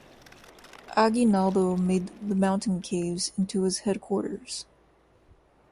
Aguinaldo made the mountain caves into his headquarters.